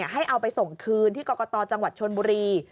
ให้เอาไปส่งคืนที่กรกตจังหวัดชนบุรี